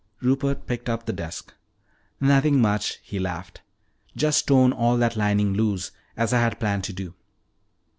Rupert picked up the desk. "Nothing much," he laughed. "Just torn all that lining loose, as I had planned to do."